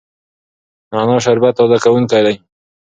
نعنا شربت تازه کوونکی دی.